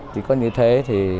chỉ có như thế thì